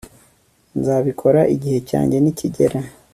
Nzabikora igihe cyanjye nikigera